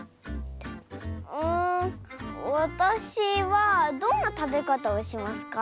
んわたしはどんなたべかたをしますか？